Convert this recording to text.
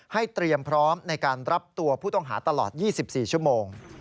เตรียมพร้อมในการรับตัวผู้ต้องหาตลอด๒๔ชั่วโมง